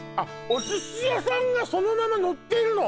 お寿司屋さんがそのまま乗ってるの？